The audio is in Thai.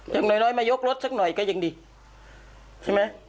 อย่างน้อยมายกรถสักหน่อยก็ยังดีใช่ไหม